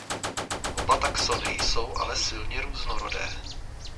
Oba taxony jsou ale silně různorodé.